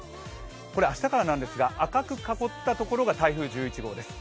これは明日からなんですが、赤く囲ったところが台風１１号です。